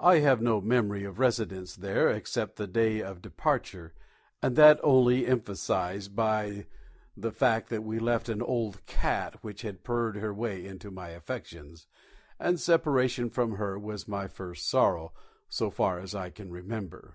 I have no memory of residence there, except the day of departure, and that only emphasised by the fact that we left an old cat which had purred her way into my affections, and separation from her was my first sorrow, so far as I can remember.